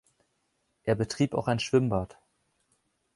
Er betrieb auch ein Schwimmbad.